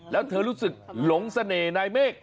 แล้วเธอรู้สึกหลงเสน่ห์นายเมฆ